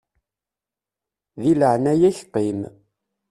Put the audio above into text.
Di leɛnaya-k qqim!